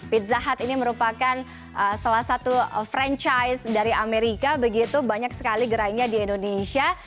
pizza hut ini merupakan salah satu franchise dari amerika begitu banyak sekali gerainya di indonesia